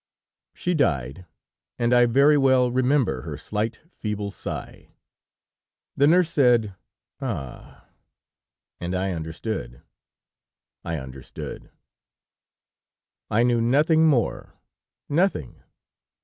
She died, and I very well remember her slight, feeble sigh. The nurse said: 'Ah! and I understood, I understood!' "I knew nothing more, nothing.